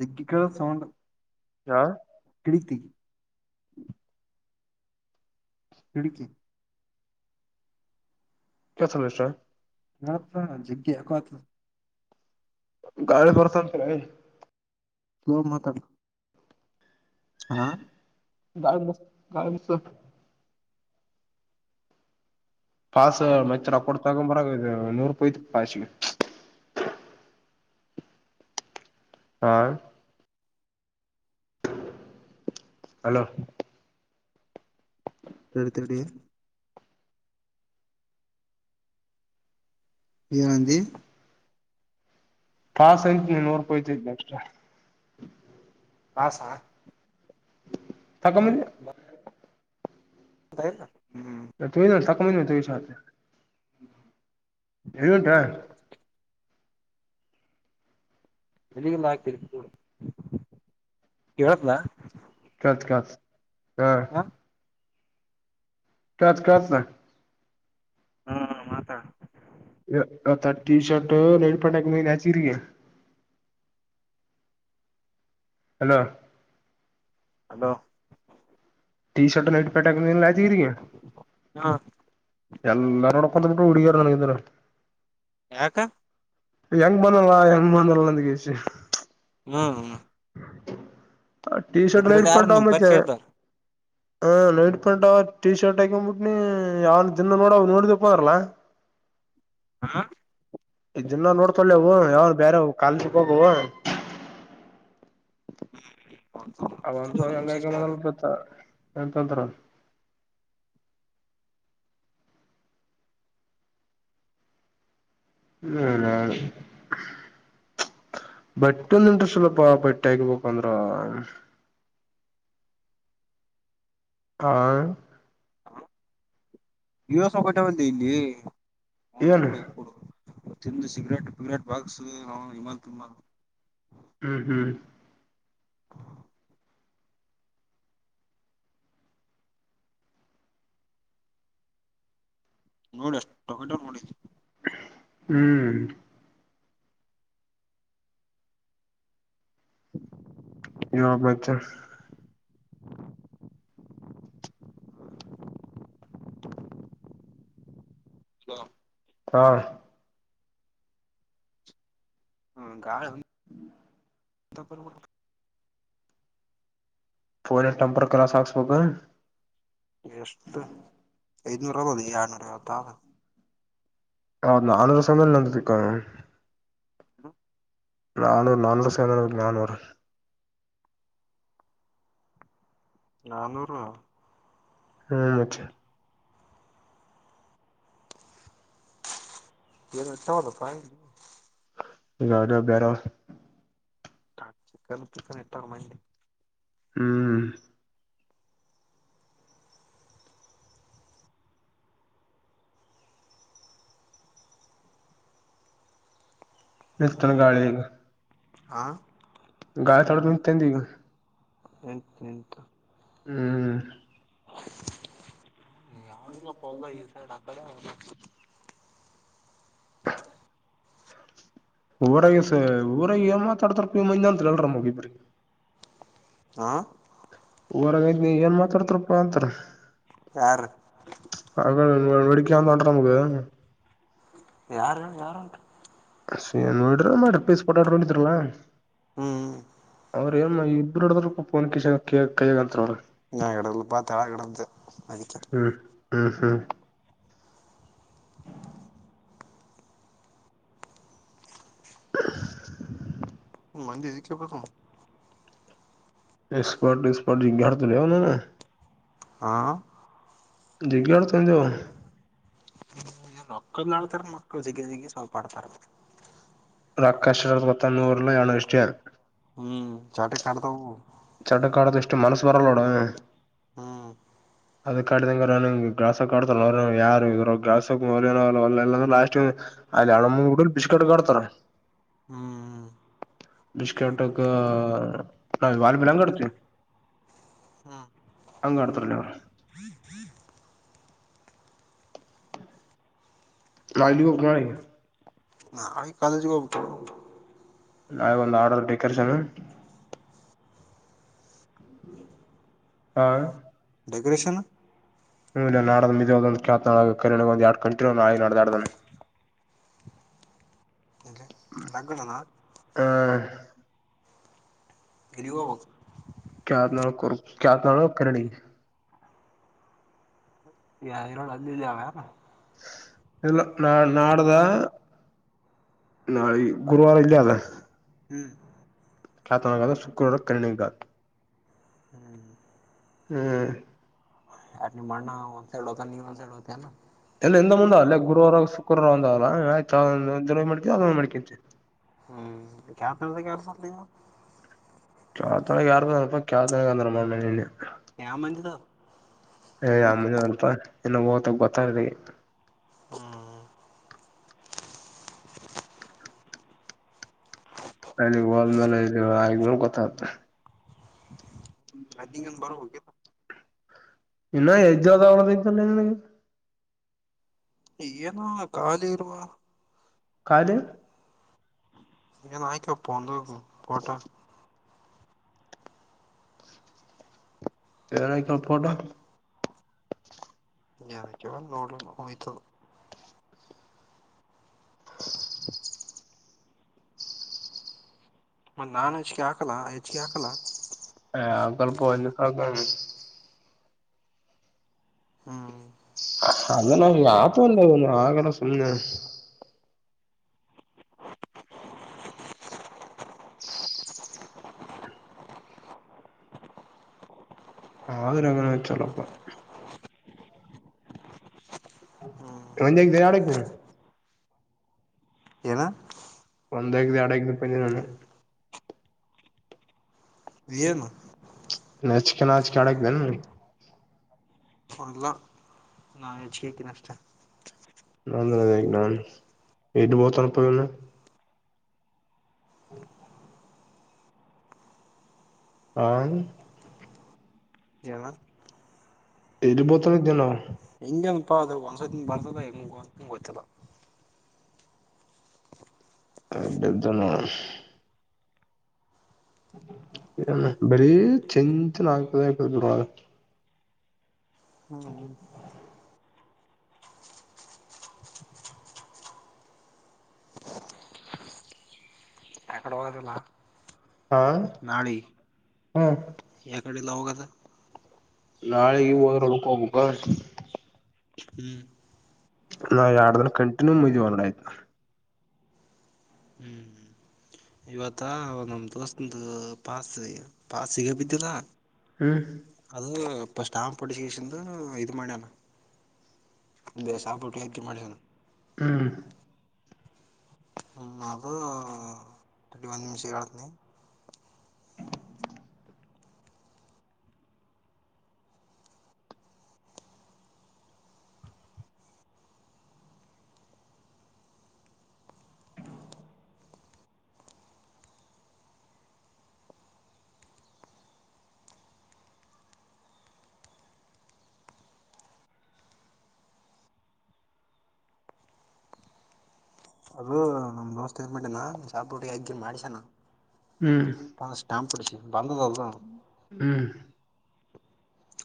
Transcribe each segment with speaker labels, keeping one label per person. Speaker 1: ಜಾಗೆ ಕೇಳು ಸೌಂಡ್
Speaker 2: ಹಾ
Speaker 1: ಕಿಡಿತತಿಿ ಕೆಡಿಕೆ
Speaker 2: ಕೇಸಲ್ಲಿ ಅಷ್ಟು
Speaker 1: ಹ ಪ ಜಗ್ಗ ಎಕ್ಸ್ ಆಗಿ [unintelligible]
Speaker 2: ಗಾಳಿ ಬರತನ
Speaker 1: ಇವಾಗ ಮಾತಾಡು
Speaker 2: ಗಾಳಿ ಬಾಸು ಗಾಲಿ ಬಾಸು ಪಾಸ್ ಮಚರ ಕೊಡ್ ತಗೊಂಬರ ನೂರುೂಪಾಯಿ ಐತಿ ಪಾಸ್ಿಗೆ ಹ ಹಲೋ
Speaker 1: ಎಡುತಡಿ
Speaker 2: ಹ್ಮ್
Speaker 1: ಏನಂದಿ
Speaker 2: ಪಾಸ ಐತ ನೀ ನೂರು ರೂಪಾಯತೈನಿ ಎಕ್ಸ್ಟ್ರಾ
Speaker 1: ಪಾಸಾ ಹ ಹಾ
Speaker 2: ತಕೊಂಬಂದಿ
Speaker 1: ಐತೆ ಅಲ್ಲ
Speaker 2: ಹೇ ತೇಮೆದ ತಾಕೊಬಡೆದ ತಾಗಿಸ ರಿಸಲ್ಟ್ ಹಾ
Speaker 1: ಎಲಿಗೆಲ್ಲ ಹಗ್ತಿರ್ತ
Speaker 2: ಕಳತ ಕಾಸು ಹಾ
Speaker 1: ಹ
Speaker 2: ಫಸ್ಟ್ ಕ್ಲಾಸ್
Speaker 1: ಹಾ ಮಾತಡ
Speaker 2: ಇವತು ಟಿಶರ್ಟ ನೈಟ್ ಪ್ಯಾಂಟ್ ಹೈಕಮಂದಿನಿ Yadgir hello
Speaker 1: hello
Speaker 2: T shirt night pant ಹೈಕೋಮಂದಿನಿಲ್ಲ ಯಾದ್ಗಿರಿಗೆ
Speaker 1: ಹಾ
Speaker 2: ಎಲ್ಲಾರುನೋಡ್ಕೋತೀವ ನಿಂತು ಹುಡುಗಿರು ನನಗಿದ್ರ
Speaker 1: ಯಾಕ
Speaker 2: ಹೆಂಗ್ ಬಂದನಲ್ಲಾ ಹೆಂಗ್ ಬಂದಲ್ಲ ಅಂದಗಸಿ
Speaker 1: ಹ್ಮ್ ಹ್ಮ
Speaker 2: ಟೀ ಶರ್ಟ್ ನೈಟ್ ಪ್ಯಾಂಟ್
Speaker 1: ನಿಮ್
Speaker 2: ಡ್ಯಾಮೇಜ್
Speaker 1: ಪರಿಚಯ ಇದ್ದಾರ
Speaker 2: ಹ ನೈಟ್ ಪ್ಯಾಂಟ್ ಟೀ ಶರ್ಟ್ ಹಾಕೊಂಡ್ಬಿಟ್ನಿ ಯಾವ ದಿನ ನೋಡ ಅವ ನೋಡಿದಪ್ಪಾರಲ್ಲಾ
Speaker 1: ಹಾ
Speaker 2: ದಿನ್ನ ನೋಡ್ಕೊೊಳ್ಳವು ಯಾವ ಬೇರೆ ಕಾಲೇಜುಗೆ ಹೋಗುವವು ಅವಂತವಾ
Speaker 1: ಒಂದ್ ನಿಮಿಷ
Speaker 2: ಹೆಂಗ
Speaker 1: ಅಷ್ಟೇ ಇರು
Speaker 2: ಕಮಂದಾನಲಪ್ಪ ಏನೂ ತಡೂರು ಹ್ಮ ಬ್ಯಾಡ [unintelligible] ಬಟ್ಟೆ ಇಲ್ಲಂದ್ರ ಸ್ವಲ್ಪ ಬಟ್ಟೆ ಆಗ್ಬೇಕು ಅಂದ್ರ
Speaker 1: [inaudible]
Speaker 2: ಹಾ
Speaker 1: ಇವಾಗ್ ಸ್ವಲ್ಪ ಬಟ್ಟೆ ಹೋಗದಿಲ್ಲಿ ಹನು
Speaker 2: ಏನು
Speaker 1: ಕೊಡು ಕೊಡು ತಿಂದು ಸಿಗರೇಟ್ ಪಿಗರೇಟ್ ಬಾಕ್ಸ್ಇಮಲ್ ತಿಂದನ
Speaker 2: ಹ್ಮ್ ಹ್ಮ್
Speaker 1: ನೋಡು ಎಷ್ಟು ವಕ್ಟರ್ ನೋಡು ಇಲ್ಲಿ
Speaker 2: ಹ್ಮ್ ಇವಾಗ ಬೈತ್ತರ
Speaker 1: ಹ ಹಲೋ
Speaker 2: ಹಾ
Speaker 1: ಹ್ಮ್ ಗಾಳಿ ಹೆಂತ್ ಪರಿ ಬಿಟ್ಟದ
Speaker 2: ಫೋನಿಂದ ಟಂಪರ್ ಕ್ರಾಸ್ ಆಕ್ಸ್ ಬೇಕ
Speaker 1: ಎಷ್ಟು ಐನೂರು ಆದಾ ಆರನೂರು ಅರವತ್ತ ದ
Speaker 2: ಹೌದು ಆದರ್ಶಮೆಂದು ನನಗೆ ಬಿಟ್ಟು ಹೋಗ್ಯಾನ
Speaker 1: ಹಾ
Speaker 2: ನಾನೂರು ನಾನೂರು ಸಾವಿರ ದ ನಾನೂರು
Speaker 1: ನಾನೂರು
Speaker 2: ಹ್ಮ್ ಮಚ್ಚಾ
Speaker 1: ಏನ್ ತೊಗೊ ಹದಪ್ಪಾ
Speaker 2: ಈಗ ಆಡದ್ ಬ್ಯಾರ
Speaker 1: ಚಿಕನ ಬೆಕನ್ ಇಟ್ಟದ
Speaker 2: ಹ್ಮ್ ನಿತನ ಗಾಳಿಗ
Speaker 1: ಆ
Speaker 2: ಗಾಳ ತೊಡ ನಿೆಂತಗ
Speaker 1: ಎಂಟು ಎಂಟು
Speaker 2: ಹ್ಮ್
Speaker 1: ಯಾವಲ್ಲಕ್ಕ ಹೋಗ ಈ ಸೈಡ್ ಆ ಕಡೆ
Speaker 2: ಊರಾಗಸ ಊರಾಗ ಮಾತಾಡ್ತಾರ ಪ ಮ ಅಂತಲಲ್ರ ಮುಗಿ ಇಬ್ರಿಗೆ
Speaker 1: ಹ
Speaker 2: ಹೊರಾಗಐ್ನ ಏನ್ ಮಾತಾಡ್ತಾರಪ್ಪಾ ಅಂತ
Speaker 1: ಯಾರು
Speaker 2: ಹ ಮಡಿಕನ್ ತೊೊಂಡ್ರ ನಮಗೆ
Speaker 1: ಯಾರು ಯಾರು ಉಂಟು
Speaker 2: ಸ ನೋಡ್ರ ಮಾಡ್ರ ಪೇಸ್ ಪೋಟಾಡ ನೋಡಿದಲ್ಲ
Speaker 1: ಹ್ಮ್
Speaker 2: ಅವ್ರ ಏನು ಇಬರು ಹಡದರು ೋನ್ ಕನ್ ಕೈಯಗಂತ ಅವ್ರ
Speaker 1: ಕುಪಾ ತಳ ಕಡ್ದ ಮದಕ
Speaker 2: ಹ್ಮ್ ಹ್ಮ್ ಹ್ಮ್
Speaker 1: [unintelligible]
Speaker 2: ಎಸ್ಪರ್ಟ್ ಎಸ್ಪರ್ಟ್ ಇಂಗೆ ಆಡ್ತಿಯೆಲ್ಲೆ
Speaker 1: ಹಾ
Speaker 2: ಜಿಗ್ಗ ತಂದು
Speaker 1: ಹ್ಮನ್ ಮಕ್ಕದ ಆಡ್ತಾರ ಮಕ್ಕಳು ಜಿಗಿನ ಜಿಗ್ಗಿ ಸ್ವಲ್ಪ ಆಡ್ತಾರ
Speaker 2: ರಕಾಶ ಪತ್ತನ್ನೂರು ಲ ಆ ಗೃಷ್ಟಿಯಾಲ್
Speaker 1: ಹ್ಮ್ ಚಾಟೆ ಕಾಣಂಡತ
Speaker 2: ಚಡ್ಡ ಕಾಡದಷ್ಟು ಮನಸ್ಸು ಬರಲ್ಲೋಡ
Speaker 1: ಹ್ಮ್
Speaker 2: ಅದ ಕಾಡ್ದಂಗ ಗ್ರಾಾಸ ಕಡ್ ತೋ ಯಾರ ಇವರ ಗ್ರಾಸ್ ಕಮ ಲಾಸ್ಟ್ ಅಲ್ಲಿ ಹಣಮ್ಮಡ ಬಿಸ್ ಕಡ್ ಆಡ್ತಾರ
Speaker 1: ಹ್ಮ್
Speaker 2: ಬಷ್ಕಟ ನ ವಾಲ್ ಬಿ ನಂಗ ಕಡ್ತ
Speaker 1: ಹ್ಮ್
Speaker 2: ನಾವ್ ಇಲ್ಲಿಗ್ ಹೋಗ್ಬೇಕ್ ನಾಳಿಗೆ
Speaker 1: ನಾ ಈಗ ಕಾಲೇಜಿಗೆ ಹೋಗಬೇಕು
Speaker 2: ನಾಳೆ ಒಂದು ಆರ್ಡರ್ ಡೆಕೋರೇಷನ್ ಹಾ
Speaker 1: ಡೆಕೋರಷನ್
Speaker 2: [unintelligible]
Speaker 1: ಯಾಕೆ [unintelligible]
Speaker 2: ಹ
Speaker 1: ಇಲ್ಲಿಗ್ ಹೋಗ್ಬೇಕು
Speaker 2: ಕತ್ನಾಳ ಕತ್ನಾಳಕ್ಕಡಿ
Speaker 1: ಇರೋಡು ಅಲ್ಲೆನ
Speaker 2: ಇಲ್ಲ ಇಲ್ಲ ನಾಡಿದು ನಾಳೆ ಗುರುವಾರ ಇಲ್ಲೇ ಆದ
Speaker 1: ಹ್ಮ್
Speaker 2: ಕ್ಯಾತಾಹಳ್ಳಿ ಶುಕ್ರವಾರ ಕಳಲ್ಲಿ ಘಾಟ್
Speaker 1: ಯಾರ್ ನಿಮ್ಮ ಅಣ್ಣ ಒನ್ ಸೈಡ್ತ ಹೋಗ್ತಾನ ನೀನು ಒನ್ ಸೈಡ್ ಹೋಗ್ತಿನೆಯ
Speaker 2: ಎಲ್ಲ ಹಿಂದಮುಂದ ಗುರುವವಾರ ಶುಕ್ರವಾರ ಒಂದಲ್ಲ ಆಯ್ತ ಆವ ಒಂದು ಮಾಡ್ತವಿ ಆವ ಒಂದು ಮಾಡ್ಕೋತೀವಿ
Speaker 1: ಹ್ಮ್ ಕ್ಯಾತಹಳ್ಳಿ ಯಾರ್ ಮನೆ
Speaker 2: ಕ್ಯಾತಹಳ್ಳಿ ಯಾರ್ದ ಆ ಕ್ಯಾತಹಳ್ಳಿ ನಾನು ಏನ್ ಹೇಳಿ
Speaker 1: ಯಾವ ಮಂದಿದ
Speaker 2: ಯಾರ್ ಮನೆಯವ್ರು ಅಂತ ಎಲ್ಲೊ ಹೋಗಿ ಬರ್ತಾಯಿರೋದೇ
Speaker 1: ಹ್ಮ್
Speaker 2: ಅಲ್ಲಿಗೆ ಹೋದ್ಮೇಲೆ ಇದು ಆದ್ಮೇಲೆ ಗೊತ್ತಾಗುತ್ತೆ
Speaker 1: [unintelligible]
Speaker 2: ಇನ್ನು ಎಕ್ಸಾಮ್ ಆಯ್ತಲ್ಲ ನಿನಗೆ
Speaker 1: ಏನೋ ಖಾಲಿ ಇರುವ
Speaker 2: ಖಾಲಿ
Speaker 1: ಏನ್ ಆಯ್ಕೋಪ್ಪ ಒಂದು ಫೋಟೋ
Speaker 2: ಏನುಕ್ಕೆ ಫೋಟೋ
Speaker 1: ಏನುಕ್ಕೆ ನೋಡಕ್ಕೆ ಹೋಯ್ತು ಅದು
Speaker 2: [inaudible]
Speaker 1: ಮತ್ ನಾನ್ ಹೆಚ್ಚಿಗೆ ಹಾಕಲ್ಲ ಹೆಚ್ಚಿಗೆ ಹಾಕಲ್ಲ
Speaker 2: ಹ ಸ್ವಲ್ಪ ಇನ್ನ
Speaker 1: ಹ್ಮ
Speaker 2: ಅಲ್ಲ ನಾವು ಯಾತ ತಕೊಂಡ ಅವನು ಹಾಗೆಲ್ಲ ಸುಮ್ನೆ ಆದ್ರೆ ಚಲೋಪ್ಪಾ
Speaker 1: ಹ್ಮ್
Speaker 2: [unintelligible]
Speaker 1: ಏನ
Speaker 2: [unintelligible]
Speaker 1: ಏನು
Speaker 2: ನೆಚ್ಕೆ ನಾಚ್ಕೆ ಆಡಕ್ ಬನೆ
Speaker 1: ಅಲ್ಲ ನಾ ಹೆಚ್ಚಿಕಕ ನಷ್ಟ
Speaker 2: ನ ನನ್ ವಟ್ಟ ಬ ತನಪನ್ನ ಹ ಹಾ
Speaker 1: ಏನ
Speaker 2: ಇಲ್ಲಿಬೋತನ ಇದಿದ್ದೇನೋ
Speaker 1: ನಿನಗೇನಪ್ಪ ಅದು ಒಂದ್ಸತಿ ಇಂಗ್ ಬರ್ತದ ಹೆಂಗ ಗೊತ್ತಿಲ್ಲ
Speaker 2: [unintelligible] ಬರೀ ಚಿಂತಆಯ್ತು
Speaker 1: ಹ್ಮ್
Speaker 2: ಹಾ
Speaker 1: ನಾಳೆಗಿ
Speaker 2: ಹ್ಮ್
Speaker 1: ಗಡಿ ಲೌೋಗದ
Speaker 2: ನಾಳೆ ಇ ಹದ್ರ ಒಳಕ್ ಹೋಗಬೇಕಬೇಕ
Speaker 1: ಹ್ಮ್
Speaker 2: ನಾ ಎರ ದಿನ ಕಂಟಿನ್ಯೂ ಮು್ದ್ವಿ ಒಂಗಡ ಆಯ್ತು
Speaker 1: ನಮ ದೋಸ್ ಪಸ್ ಪಾಸ್ ಸಿಗ ಬಿದ್ದರ
Speaker 2: ಹ್ಮ್
Speaker 1: ಅದು ಇ ಸ್ಟಾಂಪ್ ಪಡಿಸಿಷ ಇದು ಮಾಡಿಯಾನ ಸಾಪುಟ್ಟ ಆಾಕಿ ಮಾಡಣ
Speaker 2: ಹ್ಮ್
Speaker 1: ನದು ರ್ಟಿ ಒಂದು ನಿಮಿಷ ಆಳ್ತನ
Speaker 2: ಅ
Speaker 1: ನಮ್ಮ ದೋಸ್ತ ಇರ್ಬಿಟ್ಟನಾ ಶಾಪಟ್ಟಿಗೆ ಹಿ ಮಾಡಿಸಣ
Speaker 2: ಹ್ಮ್
Speaker 1: ಅ ಸ್ಟಾಮಪ್ ಬಿಡ ಬಂದ ಅ
Speaker 2: ಹ್ಮ್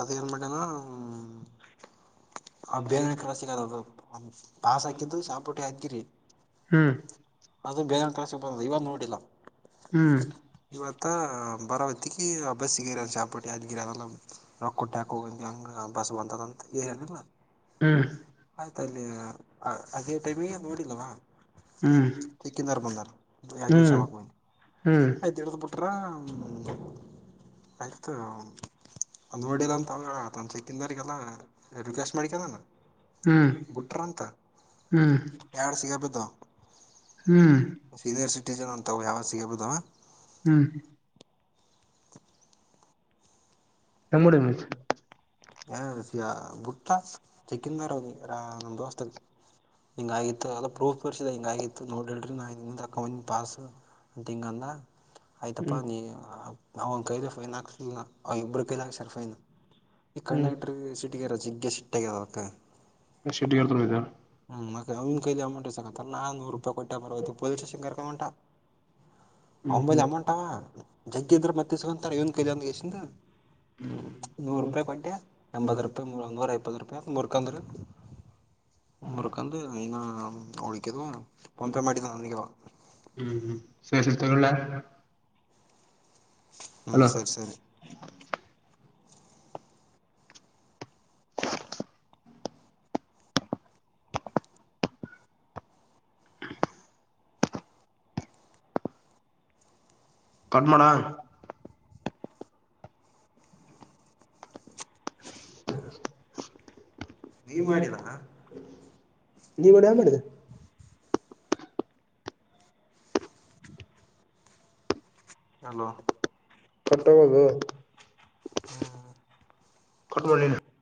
Speaker 1: ಅದ ಏರಮಟೇಾನ ಅ ಬೇ ಕಲ ಸಿಗದ ಪಸ್ ಹಾಕಿದ್ದು ಚಾಂಪೋಟಿ ಹಾಕಿರಿ
Speaker 2: ಹ್ಮ್
Speaker 1: ಅದು ಬೇಗ ಕಲಸ ಬ ಇವಾಗ ನೋಡಿಲ್ಲ
Speaker 2: ಹ್ಮ್
Speaker 1: ಇವತ್ತ ಬರಬತ್ತಕಿ ಆ ಬಸ್ಿಗೆಿರ ಚಾಪಟ್ಟಿ ಅದು ಗಿರ ಅಲ್ಲ ರೊಕ್ಕ ಕೊಟ್ಟ್ಯಾಕ ಹೋಗಂ ಹೆಂಗೆ ಬಸ್ ಬಂತದಂತ ಏ ಹೇಳಲಿಲ್ಲ
Speaker 2: ಹ್ಮ್
Speaker 1: ಆಯ್ತಲ್ಲಿ ಅದೇ ಟೈಮಿಗೆ ನೋಡಿಲ್ಲವಾ
Speaker 2: ಹ್ಮ್
Speaker 1: ಕಂದಾರಭಾಂದಾರ ಎಕ
Speaker 2: ಹ್ಮ್
Speaker 1: ದಿನ
Speaker 2: ಹ್ಮ್
Speaker 1: ಚಲ್ಲಕವಿ
Speaker 2: ಹ್ಮ್ ಹ್ಮ್
Speaker 1: ಆಯ್ತ್ು ಹಡ್ದ್ ಬಿುಟ್ರ ಆಯ್ತ ಅದು ನೋಡಿಿಲ್ಲ ಅಂತ ಅವ ತನ್ನ ಚಕಿಂದಾರಿಗೆಲ್ಲ ರಿಕ್ವೆಸ್ಟ್ ಮಾಡ್ಿಕಾನು ಬುಟರ ಅಂತ ಎಡು ಸಿಗಬದ
Speaker 2: ಹ್ಮ್
Speaker 1: ಸೀನಿಯರ್ ಸಿಟಿಜನ್ ಅಂತ ಯಾವ ಸಿಗಬಹದಾವ
Speaker 2: ಹ್ಮ್ ಕಮ್ಮಡನು
Speaker 1: ಹ ಬುಟ್ಟ ಚಕ್ಕಂದಾರ ಅವನಿ ನಮಮ್ಮ ದೋಸ್ತ ಹಿಂಗಗಿತ್ತು ಎಲ್ಲ ಪ್ರೂಫ್ ಬರ್ಸಿದ ಹಿಂಗಗಿತ್ತು ನೋಡಿ ಹೇಳ್ರಿ ನಾ ಅಕೌಂ ಪಾಸ್ ಅಟಿಂಗಲ್ಲ ಆಯ್ತಪ್ಪಾ
Speaker 2: ಹ್ಮ್
Speaker 1: ನೀ ಅವನ್ ಕೈಲಿ ಫೈನ್ ಹಾಕ್ಸಗ ಅವ ಇಬ್ಬ್ರ ಕೈಲ ಹಾಕ್ಸರ್ ಫೈನ್ ಈ
Speaker 2: ಹ್ಮ್
Speaker 1: ಕಂಡಕ್ಟರ್ ಸಿಟ್ಟಗಾರ ಜಿಗ್ಗ ಸಿಟ್ಟಗ್ಯದಕ್ಕ
Speaker 2: ಶಿತ
Speaker 1: ಹ್ಮ ಅವಮ ಕಲಿ ಅಮಂಟ್ ನಾ ನೂರು ರೂಪಾಯಿ ಕೊಟ್ಟ ಬರ ಪೊಸ್ ಸ್ಟೇನ್ ಕ ಮಾಡಂಟಾ
Speaker 2: ಹ್ಮ್
Speaker 1: ಒಂಬೈಲ್
Speaker 2: ಹ್ಮ್
Speaker 1: ಅಮೌಂಟ್ ಅವ ಜಗ್ಗ ಇದ್ರ ಮತ್ತೆ ಸಿಗಂತ ಇವನ್ ಕೈಲಿಂದ ಎಸಿಂದ ಹ್ಮ್ ನೂರು ರಪಾಯಿ ಕೊಟ್ಟ ಎಂಬತ್ ರೂಪಾಯಿ ಮೂ ಒಂದವ ಐಪ್ಪತ್ತು ರೂಪಾಯಿ ಮೂರ್ಕಂದ್ರೀ ಕಾಂದು ಏನ್ನ ಉಳಿಕಿದವಾ ಪಂಪೆ ಮಾಡಟಿಾ ನಗೆವಾ
Speaker 2: ಹ್ಮ್ ಹ್ಮ್ ವಿೇಷತಗಳ್ಳ
Speaker 1: ಹ್ಮ ಸರಿ ಸರಿ
Speaker 2: ಕಣ್ಮಣ [unintelligible]
Speaker 1: ನೀವ ಮಾಡರಾ
Speaker 2: ನೀವಡ ಯ ಮಾಡಿದೆ
Speaker 1: ಹಲೋ
Speaker 2: ಕಟ್ಟಬೋದು ಕ